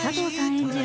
演じる